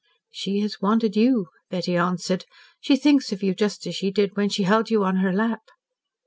"She has wanted you," Betty answered. "She thinks of you just as she did when she held you on her lap."